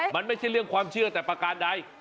มันไม่ใช่เรื่องความเชื่อแต่ประการใด